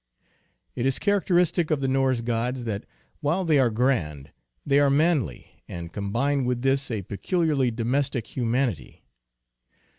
It is characteristic of the Norse gods that while they are grand they are manly, and combine with this a peculiarly domestic humanity.